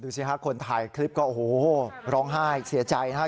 สิฮะคนถ่ายคลิปก็โอ้โหร้องไห้เสียใจนะครับ